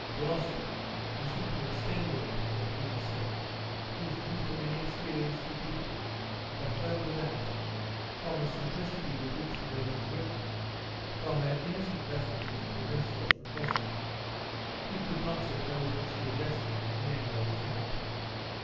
Gloucester, wishing to extenuate for the queen's sake, whose youth and inexperience he pitied, affirmed that, from the simplicity with which the note was written, from her innocent references to the minstrel's profession, he could not suppose that she addressed him in any other character.